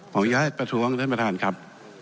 อนุญาตประท้วงท่านประธานครับ